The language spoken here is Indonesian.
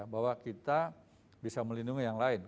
bahwa kita bisa melindungi yang lain